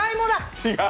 違う。